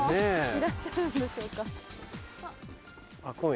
あっ。